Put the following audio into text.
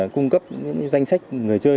cung cấp danh sách người chơi